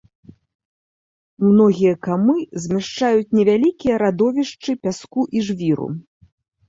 Многія камы змяшчаюць невялікія радовішчы пяску і жвіру.